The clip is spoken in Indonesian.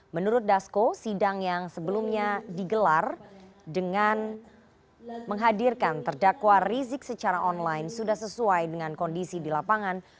menurut dasko sidang yang sebelumnya digelar dengan menghadirkan terdakwa rizik secara online sudah sesuai dengan kondisi di lapangan